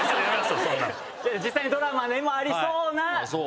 実際にドラマでもありそうな。